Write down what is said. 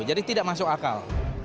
jadi tidak masuk akal